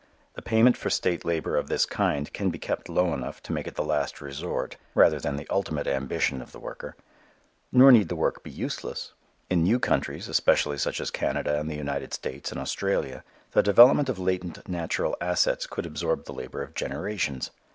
The payment for state labor of this kind can be kept low enough to make it the last resort rather than the ultimate ambition of the worker. Nor need the work be useless. In new countries, especially such as Canada and the United States and Australia, the development of latent natural assets could absorb the labor of generations.